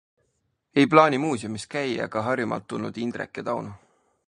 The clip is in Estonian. Ei plaani muuseumis käia ka Harjumaalt tulnud Indrek ja Tauno.